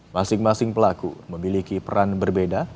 masing masing pelaku memiliki peran berbeda